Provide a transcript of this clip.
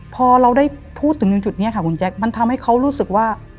พอเราได้พูดถึงตรงจุดนี้ค่ะคุณแจ๊คมันทำให้เขารู้สึกว่า